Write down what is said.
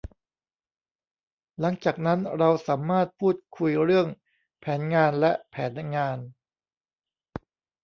หลังจากนั้นเราสามารถพูดคุยเรื่องแผนงานและแผนงาน